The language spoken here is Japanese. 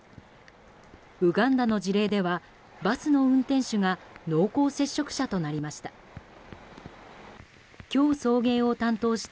ウガンダの事例ではバスの運転手が濃厚接触者となりました。